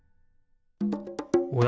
おや？